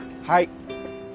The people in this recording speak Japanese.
はい。